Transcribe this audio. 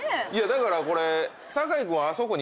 だからこれ。